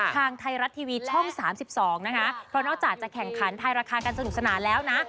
ทางไทยรัฐทีวีช่อง๓๒นะคะเพราะนอกจากจะแข่งขันไทยราคากันสนุกสนานแล้วนะ